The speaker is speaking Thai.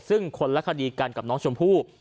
ซึ่งคนละคดีกันกับน้องชมพู่